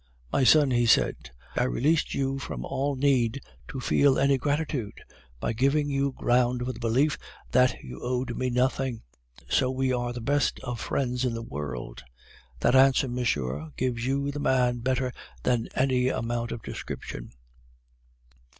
"My son," he said, "I released you from all need to feel any gratitude by giving you ground for the belief that you owed me nothing." So we are the best friends in the world. That answer, monsieur, gives you the man better than any amount of description.